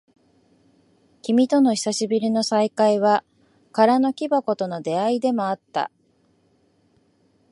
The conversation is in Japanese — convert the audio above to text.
君との久しぶりの再会は、空の木箱との出会いでもあった。